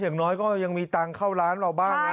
อย่างน้อยก็ยังมีตังค์เข้าร้านเราบ้างนะ